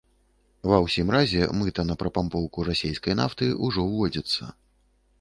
Ва ўсім разе, мыта на прапампоўку расейскай нафты ўжо ўводзіцца.